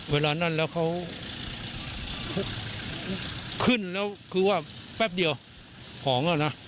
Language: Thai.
เวลานั่นแล้วเขาขึ้นแล้วคือว่าแป๊บเดียวของอ่ะนะ